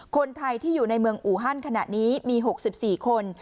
คนไทยที่อยู่ในเมืองอูฮันขณะนี้มี๖๔คน